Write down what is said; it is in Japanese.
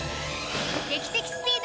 劇的スピード！